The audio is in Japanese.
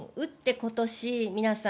今年、皆さん。